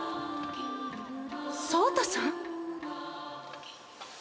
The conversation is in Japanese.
草太さん？